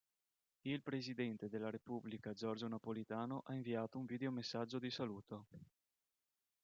Il presidente della Repubblica Giorgio Napolitano ha inviato un videomessaggio di saluto..